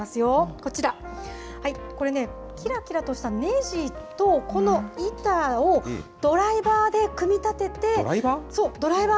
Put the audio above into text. こちら、これね、きらきらとしたねじと、この板をドライバーで組ドライバー？